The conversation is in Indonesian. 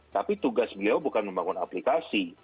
tapi tugas beliau bukan membangun aplikasi